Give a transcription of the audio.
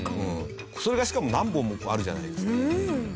それがしかも何本もあるじゃないですか。